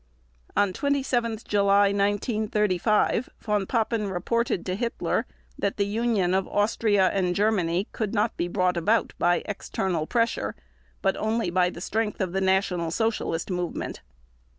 On 27 July 1935 Von Papen reported to Hitler that the union of Austria and Germany could not be brought about by external pressure but only by the strength of the National Socialist movement.